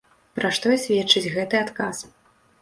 Пра што і сведчыць гэты адказ.